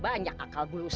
kita bisa bercampur deh